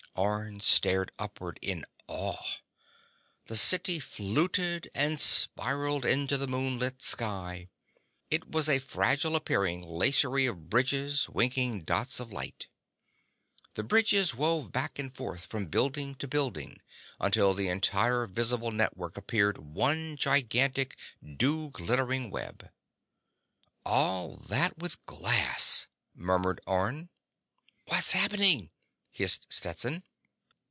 Orne stared upward in awe. The city fluted and spiraled into the moonlit sky. It was a fragile appearing lacery of bridges, winking dots of light. The bridges wove back and forth from building to building until the entire visible network appeared one gigantic dew glittering web. "All that with glass," murmured Orne. "What's happening?" hissed Stetson.